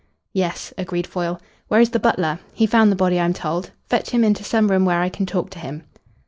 "Yes," agreed Foyle. "Where is the butler? He found the body, I'm told. Fetch him into some room where I can talk to him."